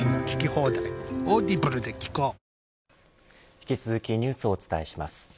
引き続きニュースをお伝えします。